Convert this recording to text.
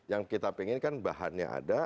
yang kita inginkan bahannya ada